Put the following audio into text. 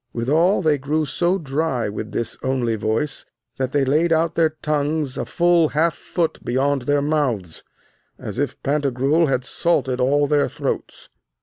Withal they grew so dry with this only voice, that they laid out their tongues a full half foot beyond their mouths, as if Pantagruel had salted all their throats.